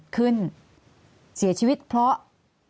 ขึ้นเสียชีวิตเพราะ